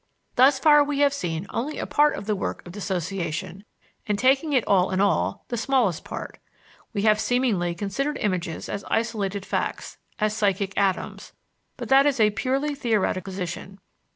Thus far we have seen only a part of the work of dissociation and, taking it all in all, the smallest part. We have, seemingly, considered images as isolated facts, as psychic atoms; but that is a purely theoretic position.